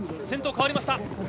先頭、変わりました。